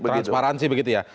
transparansi begitu ya